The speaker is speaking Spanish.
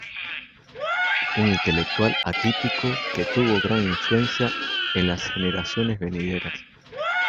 Un intelectual atípico que tuvo gran influencia en las generaciones venideras.